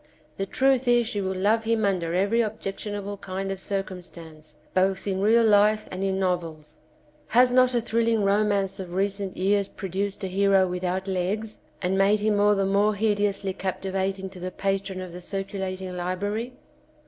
The truth is she will love him under every objectionable kind of circumstance, both in real life and in novels. Has not a thrilling romance of recent years produced a hero without legs, and made him all the more hideously captivating to the patron of the circulating library